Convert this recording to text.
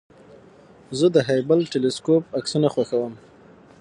زه د هبل ټېلسکوپ عکس خوښوم.